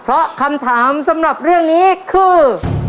เพราะคำถามสำหรับเรื่องนี้คือ